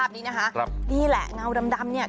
พี่บอลนี่น่ะง่าวดำเนี่ย